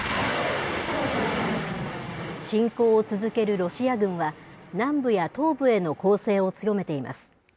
侵攻を続けるロシア軍は南部や東部への攻勢を強めています。